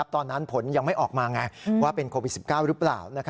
ผลยังไม่ออกมาไงว่าเป็นโควิด๑๙หรือเปล่า